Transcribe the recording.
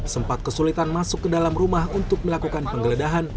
sempat kesulitan masuk ke dalam rumah untuk melakukan penggeledahan